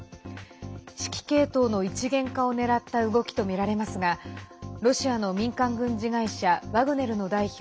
指揮系統の一元化を狙った動きと見られますがロシアの民間軍事会社ワグネルの代表